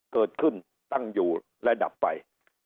เกิดขึ้นตั้งอยู่ระดับไป